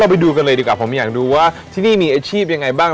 ไปดูกันเลยดีกว่าผมอยากดูว่าที่นี่มีอาชีพยังไงบ้าง